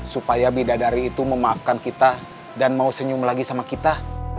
supaya bidadari itu memaafkan kita dan mau senyum lagi sama kita